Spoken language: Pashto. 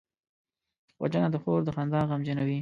وژنه د خور د خندا غمجنوي